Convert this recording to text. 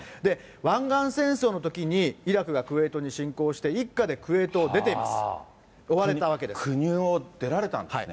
湾岸戦争のときに、イラクがクウェートに侵攻して、一家でクウェートを出ています、国を出られたんですね。